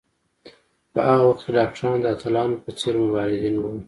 په هغه وخت کې ډاکټران د اتلانو په څېر مبارزین وو.